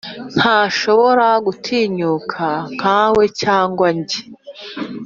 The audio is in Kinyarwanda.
ntashobora gutinyuka nkawe cyangwa njye